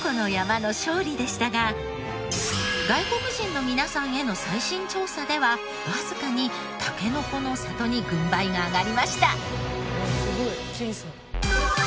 外国人の皆さんへの最新調査ではわずかにたけのこの里に軍配が上がりました。